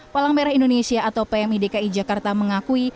palang merah indonesia atau pmidki jakarta mengakui